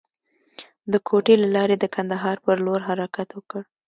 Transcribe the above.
د کوټې له لارې د کندهار پر لور حرکت وکړ.